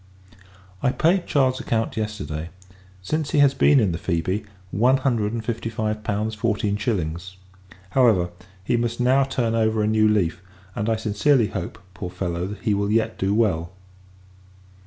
I paid Charles's account, yesterday; since he has been in the Phoebe, one hundred and fifty five pounds, fourteen shillings. However, he must now turn over a new leaf; and I sincerely hope, poor fellow, he will yet do well.